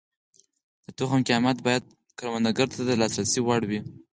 د تخم قیمت باید کروندګر ته د لاسرسي وړ وي.